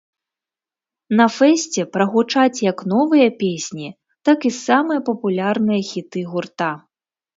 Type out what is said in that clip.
На фэсце прагучаць як новыя песні, так і самыя папулярныя хіты гурта!